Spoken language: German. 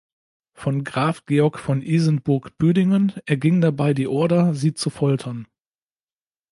Von Graf Georg von Isenburg-Büdingen erging dabei die Order, sie zu foltern.